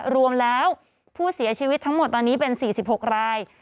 รวมแล้วผู้เสียชีวิตทั้งหมดตอนนี้เป็น๔๖ราย